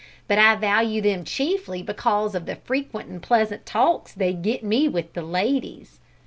But I value them chiefly because of the frequent and pleasant talks they get me with the ladies."